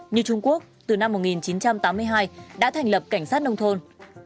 như trung quốc từ năm một nghìn chín trăm tám mươi hai đã thành lập cảnh sát nông thôn